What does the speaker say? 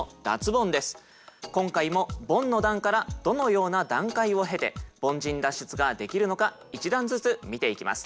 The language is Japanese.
今回もボンの段からどのような段階を経て凡人脱出ができるのか一段ずつ見ていきます。